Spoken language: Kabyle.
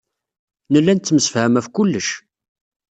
Nella nettemsefham ɣef kullec.